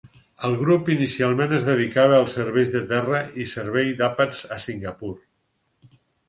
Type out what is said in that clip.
El grup inicialment es dedicava als serveis de terra i servei d'àpats a Singapur.